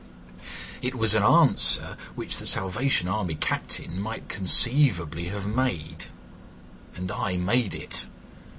It was an answer which the Salvation Army captain might conceivably have made—and I made it.